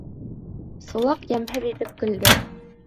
Сулаҡ йәмһеҙ итеп көлдө: